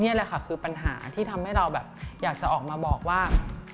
นี่แหละค่ะคือปัญหาที่ทำให้เราแบบอยากจะออกมาบอกว่า